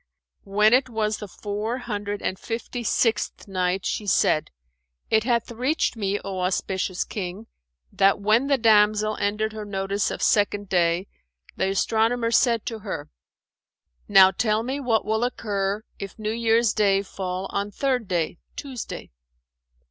When it was the Four Hundred and Fifty sixth Night, She said, it hath reached me, O auspicious King, that when the damsel ended her notice of Second Day the astronomer said to her "Now tell me what will occur if New Year's day fall on Third Day (Tuesday)."